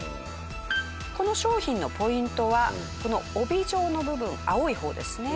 この商品のポイントはこの帯状の部分青い方ですね。